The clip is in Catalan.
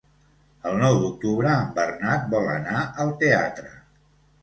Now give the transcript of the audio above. El nou d'octubre en Bernat vol anar al teatre.